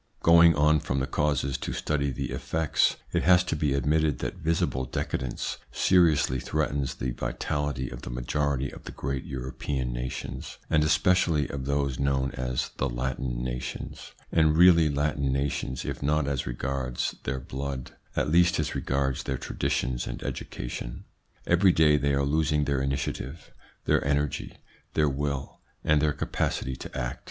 Going on from the causes to study the effects, it has to be admitted that visible decadence seriously threatens the vitality of the majority of the great European nations, and especially of those known as the Latin nations, and really Latin nations, if not as regards their blood, at least as regards their traditions and education. Every day they are losing their initiative, their energy, their will, and their capacity to act.